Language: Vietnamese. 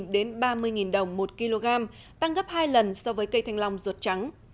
đến ba mươi đồng một kg tăng gấp hai lần so với cây thanh long ruột trắng